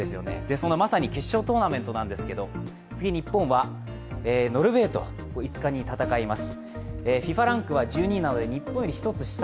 そのまさに決勝トーナメントなんですけど次、日本はノルウェーと５日に戦います。